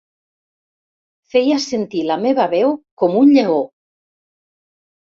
Feia sentir la meva veu com un lleó.